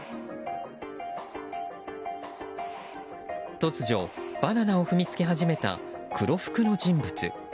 突如、バナナを踏みつけ始めた黒服の人物。